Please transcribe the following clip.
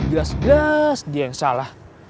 gas gas dia yang salah